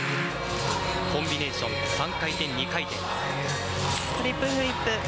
コンビネーション３回転、２回転。